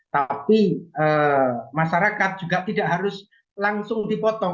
tapi masyarakat juga tidak harus langsung dipotong